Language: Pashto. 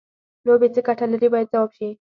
لوبې څه ګټه لري باید ځواب شي.